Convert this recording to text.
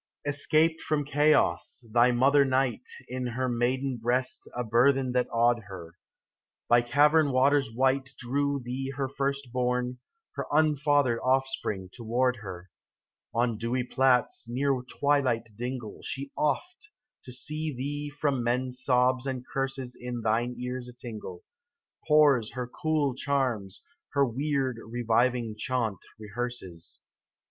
32 Escaped from chaos, thy mother Night, In her maiden breast a burthen that awed her. By cavern waters white Drew thee her first born, her unfathered offspring, toward her. On dewy plats, near twilight dingle. She oft, to still thee from men's sobs and curses In thine ears a tingle, Pours her cool charms, her weird, reviving chaunt rehearses.